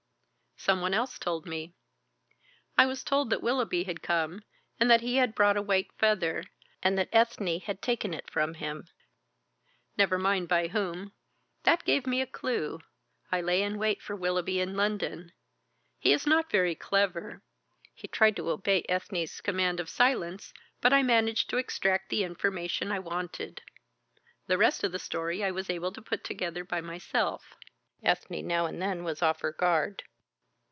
"Some one else told me. I was told that Willoughby had come, and that he had brought a white feather, and that Ethne had taken it from him. Never mind by whom. That gave me a clue. I lay in wait for Willoughby in London. He is not very clever; he tried to obey Ethne's command of silence, but I managed to extract the information I wanted. The rest of the story I was able to put together by myself. Ethne now and then was off her guard.